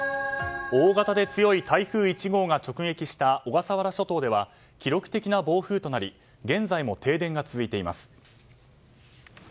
大型で強い台風１号が直撃した小笠原諸島では記録的な暴風となり現在も停電が続いています。